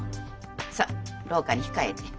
さあ廊下に控えて。